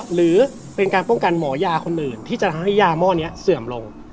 หรือเป็นการป้องกันหมอยาคนอื่นที่จะทำให้ยาหม้อนี้เสื่อมลง